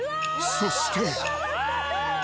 そして。